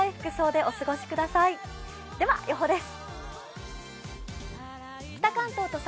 では予報です。